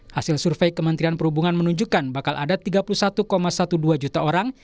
hasil survei kementerian perhubungan menunjukkan bakal ada tiga puluh satu dua belas juta orang